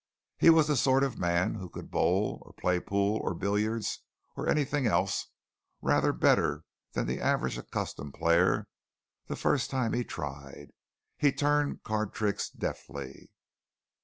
He was the sort of man who could bowl, or play pool, or billiards, or anything else rather better than the average accustomed player the first time he tried. He turned card tricks deftly.